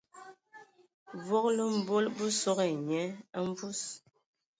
Vogolo mbol bə sogo ai nye a mvus.